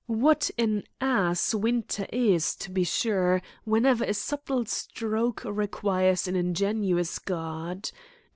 What an ass Winter is, to be sure, whenever a subtle stroke requires an ingenious guard.